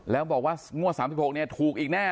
แล้วบอกว่างว่างวด๓๖ถูกอีกแน่